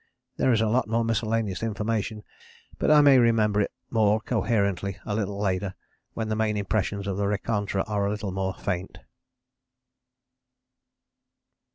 There is a lot more miscellaneous information, but I may remember it more coherently a little later when the main impressions of the rencontre are a little more faint."